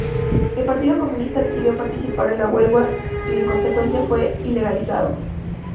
El Partido Comunista decidió participar en la huelga y en consecuencia fue ilegalizado.